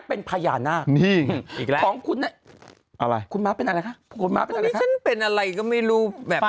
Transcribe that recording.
เอาละครับ